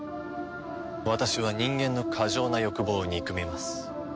私は人間の過剰な欲望を憎みます。